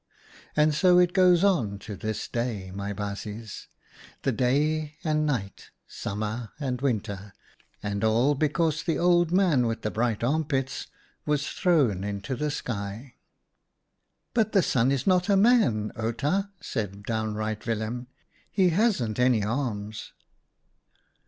And so it goes on to this day, my baasjes : the day and night, summer and winter, and all because the Old Man with the bright armpits was thrown into the sky." " But the Sun is not a man, Outa," said downright Willem, "and he hasn't any arms."